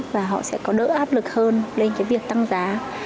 và họ sẽ có đỡ áp lực hơn lên cái việc tăng giá